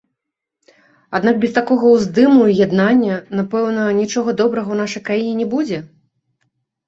Аднак без такога ўздыму і яднання, напэўна, нічога добрага ў нашай краіне не будзе?